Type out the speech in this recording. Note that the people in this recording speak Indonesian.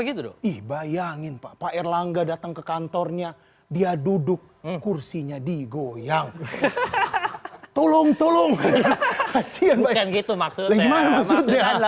gitu ih bayangin pak erlangga datang ke kantornya dia duduk kursinya digoyang tolong tolong maksudnya